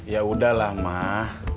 ya udahlah mak